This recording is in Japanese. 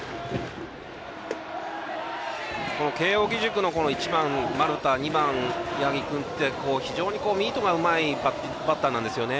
慶応義塾の１番、丸田２番、八木君って非常にミートがうまいバッターなんですよね。